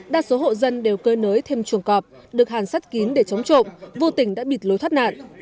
đa số hộ dân đều cơ nới thêm chuồng cọp được hàn sắt kín để chống trộm vô tình đã bịt lối thoát nạn